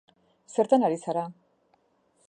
Zertan ari zara?